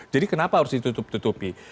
jadi kenapa harus ditutup tutupi